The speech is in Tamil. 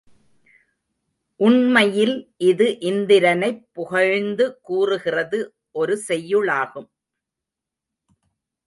உண்மையில் இது இந்திரனைப் புகழ்ந்து கூறுகிறது ஒரு செய்யுளாகும்.